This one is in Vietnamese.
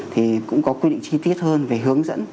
thì cũng có quy định chi tiết hơn về hướng dẫn